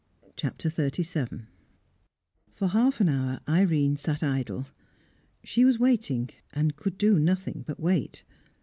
CHAPTER XXXVII For half an hour Irene sat idle. She was waiting, and could do nothing but wait.